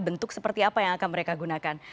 bentuk seperti apa yang akan mereka gunakan